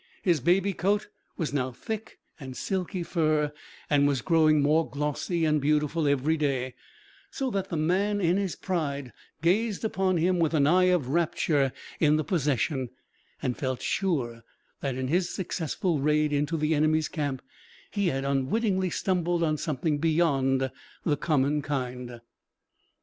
His baby coat was now thick and silky fur and was growing more glossy and beautiful every day, so that the man in his pride gazed upon him with an eye of rapture in the possession, and felt sure that in his successful raid into the enemy's camp, he had unwittingly stumbled on something beyond the common kind.